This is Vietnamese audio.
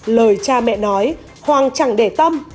lời cha mẹ nói hoàng chẳng để tâm